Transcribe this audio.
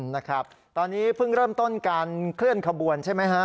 นะครับตอนนี้เพิ่งเริ่มต้นการเคลื่อนขบวนใช่ไหมฮะ